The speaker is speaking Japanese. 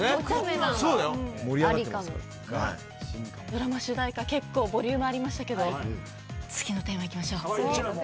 ドラマ主題歌結構ボリュームありましたけど次のテーマいきましょう。